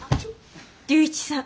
龍一さん。